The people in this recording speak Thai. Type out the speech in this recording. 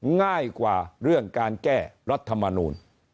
ง่ายกว่าเรื่องการแก้รัฐมนูล